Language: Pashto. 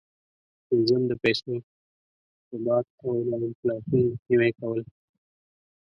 پنځم: د پیسو ثبات او د انفلاسون مخنیوی کول.